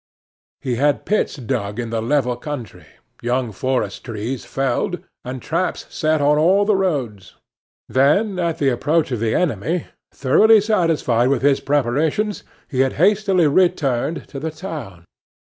He had had pits dug in the level country, young forest trees felled, and traps set on all the roads; then at the approach of the enemy, thoroughly satisfied with his preparations, he had hastily returned to the town.